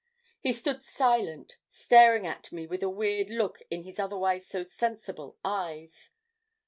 He stood silent, staring at me with a weird look in his otherwise so sensible eyes.